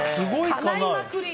かないまくり。